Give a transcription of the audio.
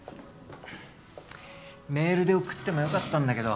メールで送ってもよかったんだけど。